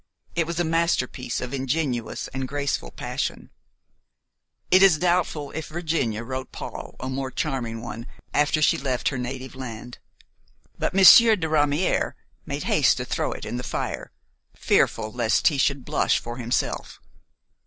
It was a masterpiece of ingenious and graceful passion; it is doubtful if Virginia wrote Paul a more charming one after she left her native land. But Monsieur de Ramière made haste to throw it in the fire, fearful lest he should blush for himself.